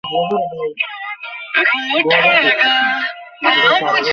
পরবর্তীতে জাতীয় পার্টিতে যোগ দেন।